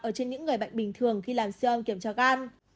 ở trên những người bệnh bình thường khi làm siêu âm kiểm tra gan